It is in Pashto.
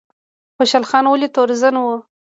خوشحال خان ولې تورزن و؟